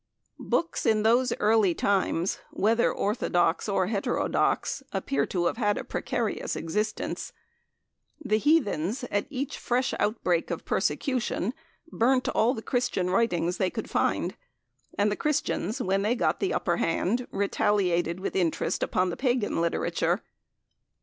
Books in those early times, whether orthodox or heterodox, appear to have had a precarious existence. The heathens at each fresh outbreak of persecution burnt all the Christian writings they could find, and the Christians, when they got the upper hand, retaliated with interest upon the pagan literature.